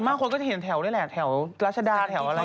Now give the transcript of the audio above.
คนก็จะเห็นแถวนี่แหละแถวรัชดาแถวอะไร